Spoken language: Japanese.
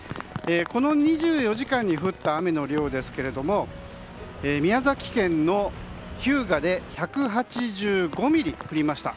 この２４時間に降った雨の量ですが宮崎県の日向で１８５ミリ降りました。